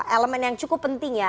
elemen yang cukup penting ya